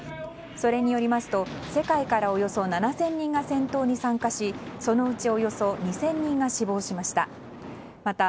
それによりますと世界からおよそ７０００人が戦闘に参加しそのうち、およそ２０００人が死亡しました。